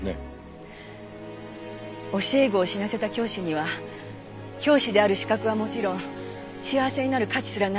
教え子を死なせた教師には教師である資格はもちろん幸せになる価値すらない。